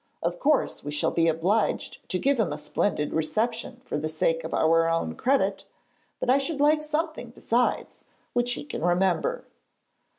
Of course we shall be obliged to give him a splendid reception for the sake of our own credit, but I should like something besides, which he can remember.'